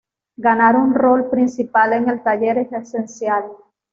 Ganar un rol principal en el taller es esencial.